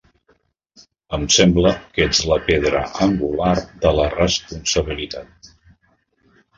Em sembla que ets la pedra angular de la responsabilitat.